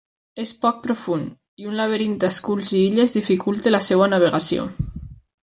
És poc profund, i un laberint d'esculls i illes dificulta la seua navegació.